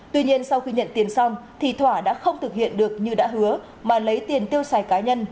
tuy nhiên sau khi nhận tiền xong thì thỏa đã không thực hiện được như đã hứa mà lấy tiền tiêu xài cá nhân